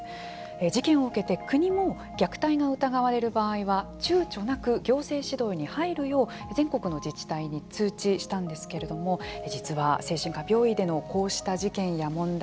事件を受けて国も虐待が疑われる場合はちゅうちょなく行政指導に入るよう全国の自治体に通知したんですけれども実は、精神科病院でのこうした事件や問題